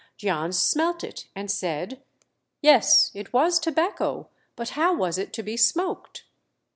Jans smelt it and said "Yes, it was tobacco, but how was it to be smoked